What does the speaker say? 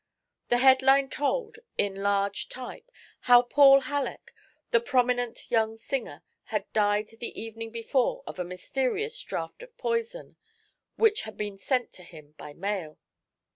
The headline told, in large type, how Paul Halleck, the prominent young singer, had died the evening before of a mysterious draught of poison, which had been sent to him by mail.